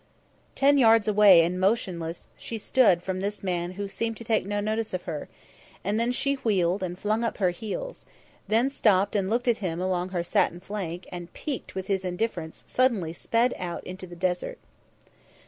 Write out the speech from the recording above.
Ten yards away and motionless she stood from this man who seemed to take no notice of her, and then she wheeled, and flung up her heels; then stopped and looked at him along her satin flank and piqued with his indifference suddenly sped out into the desert.